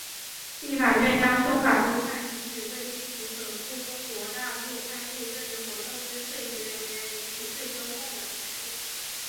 立法院将修法规范停止未经许可赴中国大陆参与政治活动之退职人员领取退休俸的权利。